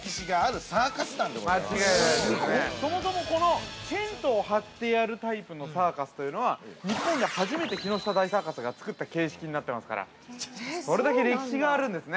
そもそもこのテントを張ってやるタイプのサーカスというのは、日本で初めて木下大サーカスが作った形式になっていますからそれだけ歴史があるんですね。